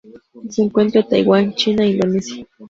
Se encuentra en Taiwán, China e Indonesia.